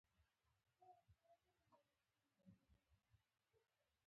د پښتو ویونکو د مسوولیتونو پیژندل اړین دي.